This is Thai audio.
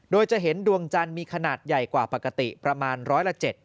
โดยจะเห็นดวงจันทร์มีขนาดใหญ่กว่าปกติประมาณร้อยละ๗